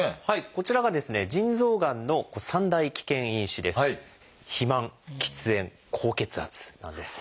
こちらがですね腎臓がんの３大危険因子です。